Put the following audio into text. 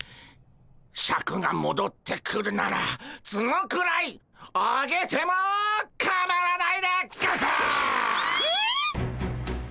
シャクがもどってくるならツノくらいあげてもかまわないでゴンス！